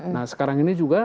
nah sekarang ini juga